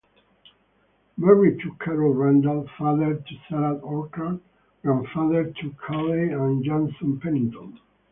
Married to Carol Randall, father to Sarah Orchard, grandfather to Kayleigh and Jason Pennington.